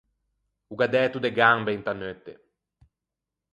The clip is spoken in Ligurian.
O gh’à dæto de gambe inta neutte.